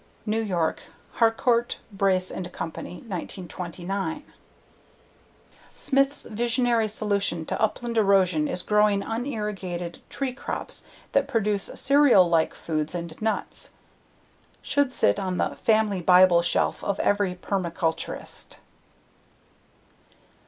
New York: Harcourt, Brace and Company, 1929. Smith's visionary solution to upland erosion is growing unirrigated tree crops that produce cereal like foods and nuts. Should sit on the "family bible shelf" of every permaculturalist.